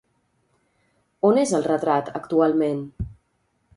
On és el retrat, actualment?